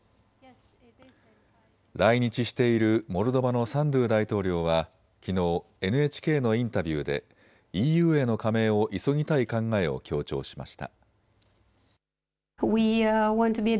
来日しているモルドバのサンドゥ大統領はきのうＮＨＫのインタビューでＥＵへの加盟を急ぎたい考えを強調しました。